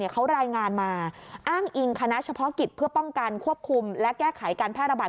เขารายงานมาอ้างอิงคณะเฉพาะกิจเพื่อป้องกันควบคุมและแก้ไขการแพร่ระบาด